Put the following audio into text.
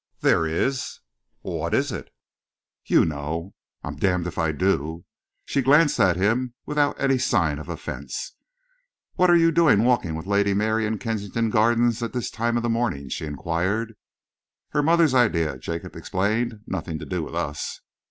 "There is." "What is it?" "You know." "I'm damned if I do!" She glanced at him without any sign of offence. "What are you doing walking with Lady Mary in Kensington Gardens at this time of the morning?" she enquired. "Her mother's idea," Jacob explained. "Nothing to do with us."